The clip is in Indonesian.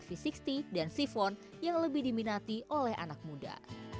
penyeduhan c enam puluh dan sifon yang lebih diminati oleh anak muda